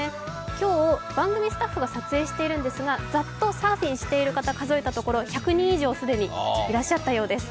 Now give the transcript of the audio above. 今日、番組スタッフが撮影しているんですが、ざっとサーフィンしている人を数えたら１００人以上いらっしゃったようです。